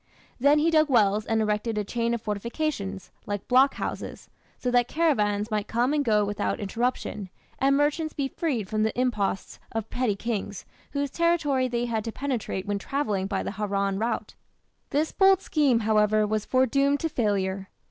Then he dug wells and erected a chain of fortifications, like "block houses", so that caravans might come and go without interruption, and merchants be freed from the imposts of petty kings whose territory they had to penetrate when travelling by the Haran route. This bold scheme, however, was foredoomed to failure.